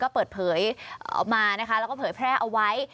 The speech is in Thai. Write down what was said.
ก็เปิดเผยออกมานะคะแล้วก็เผยแพร่เอาไว้